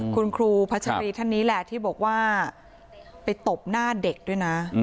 คุณครูพัชรีท่านนี้แหละที่บอกว่าไปตบหน้าเด็กด้วยนะ